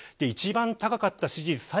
一番高かった支持率